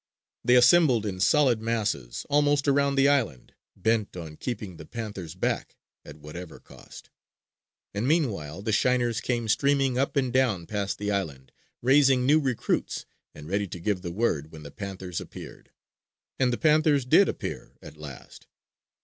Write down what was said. They assembled in solid masses, almost, around the island, bent on keeping the panthers back at whatever cost. And meanwhile the shiners came streaming up and down past the island, raising new recruits and ready to give the word when the panthers appeared. And the panthers did appear, at last.